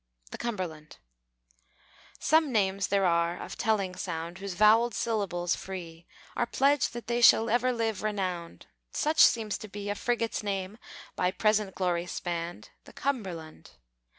THE CUMBERLAND Some names there are of telling sound, Whose vowelled syllables free Are pledge that they shall ever live renowned; Such seems to be A Frigate's name (by present glory spanned) The Cumberland.